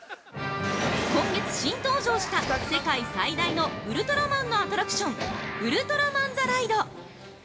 ◆今月新登場した世界最大のウルトラマンのアトラクション「ウルトラマン・ザ・ライド」